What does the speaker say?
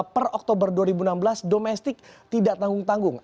per oktober dua ribu enam belas domestik tidak tanggung tanggung